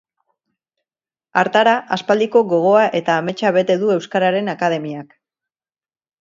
Hartara, aspaldiko gogoa eta ametsa bete du euskararen akademiak.